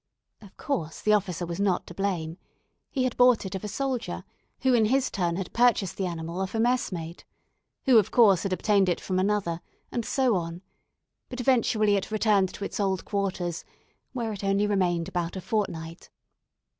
Of course, the officer was not to blame. He had bought it of a sailor, who in his turn had purchased the animal of a messmate, who of course had obtained it from another, and so on; but eventually it returned to its old quarters, where it only remained about a fortnight.